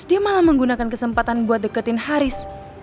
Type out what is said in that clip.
dia malah menggunakan kesempatan buat deketin haris